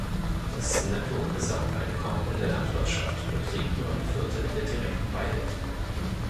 Das Nettogesamteinkommen in der Landwirtschaft beträgt nur ein Viertel der direkten Beihilfen.